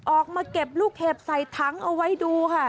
ออกมาเก็บลูกเห็บใส่ถังเอาไว้ดูค่ะ